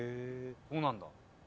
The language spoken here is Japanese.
そうなんだ。